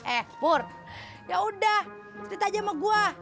eh pur yaudah cerita aja sama gua